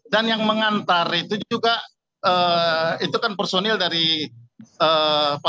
dan yang mengantar itu juga itu kan personil dari papua